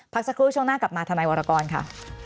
สักครู่ช่วงหน้ากลับมาธนายวรกรค่ะ